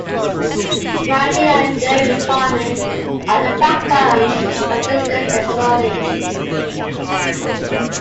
Ranching and dairy farming are the backbone of the district's economy.